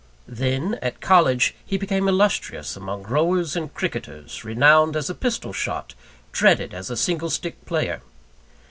Then, at college, he became illustrious among rowers and cricketers, renowned as a pistol shot, dreaded as a singlestick player.